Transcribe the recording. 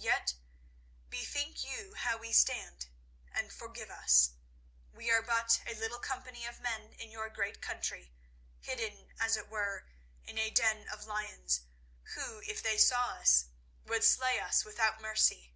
Yet bethink you how we stand, and forgive us. We are but a little company of men in your great country, hidden, as it were, in a den of lions, who, if they saw us, would slay us without mercy.